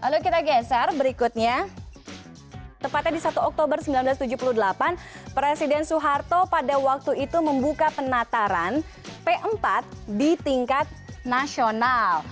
lalu kita geser berikutnya tepatnya di satu oktober seribu sembilan ratus tujuh puluh delapan presiden soeharto pada waktu itu membuka penataran p empat di tingkat nasional